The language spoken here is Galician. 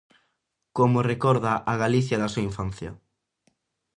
Como recorda a Galicia da súa infancia.